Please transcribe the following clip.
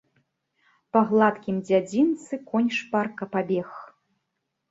Па гладкім дзядзінцы конь шпарка пабег.